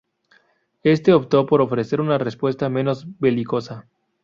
Este optó por ofrecer una respuesta menos belicosa.